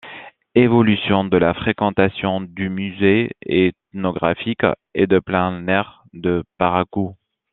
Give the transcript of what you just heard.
Évolution de la fréquentation du Musée ethnographique et de plein air de Parakou.